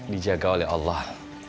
dijaga oleh allah